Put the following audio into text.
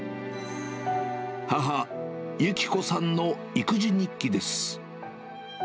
母、有紀子さんの育児日記です。